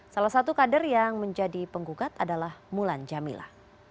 salah satu kader yang menjadi penggugat adalah mulan jamila